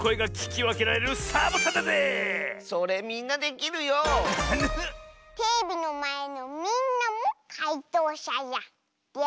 ⁉テレビのまえのみんなもかいとうしゃじゃ。